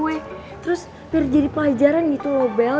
lalu biar jadi pelajaran gitu bel